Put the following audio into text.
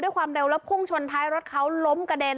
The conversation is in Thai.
ความเร็วแล้วพุ่งชนท้ายรถเขาล้มกระเด็น